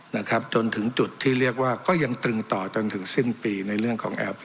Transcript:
นะครับจนถึงจุดที่เรียกว่าก็ยังตรึงต่อจนถึงสิ้นปีในเรื่องของแอป